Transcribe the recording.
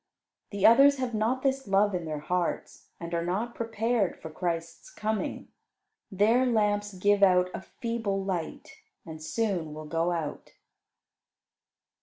The others have not this love in their hearts, and are not prepared for Christ's coming. Their lamps give out a feeble light and soon will go out.